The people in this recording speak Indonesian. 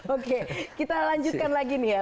oke kita lanjutkan lagi nih ya